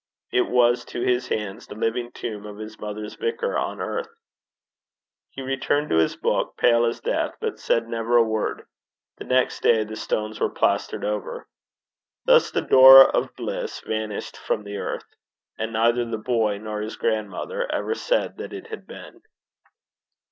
It was to his hands the living tomb of his mother's vicar on earth. He returned to his book, pale as death, but said never a word. The next day the stones were plastered over. Thus the door of bliss vanished from the earth. And neither the boy nor his grandmother ever said that it had been.